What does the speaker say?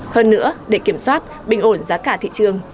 hơn nữa để kiểm soát bình ổn giá cả thị trường